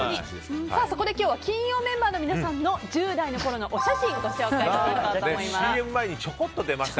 今日は金曜メンバーの皆さんの１０代のころのお写真ご紹介していこうと思います。